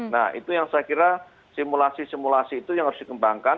nah itu yang saya kira simulasi simulasi itu yang harus dikembangkan